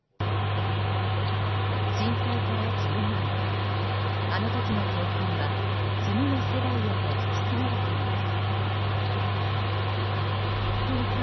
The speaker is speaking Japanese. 震災から１２年、あの時の教訓は次の世代へと引き継がれています。